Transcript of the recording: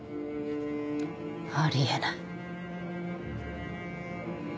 あり得ない。